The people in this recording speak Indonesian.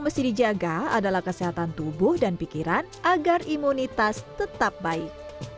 mesti dijaga adalah kesehatan tubuh dan pikiran agar imunitas tetap baik